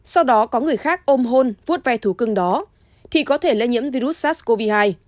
sau đó có người khác ôm hôn vút ve thú cưng đó thì có thể lây nhiễm virus sars cov hai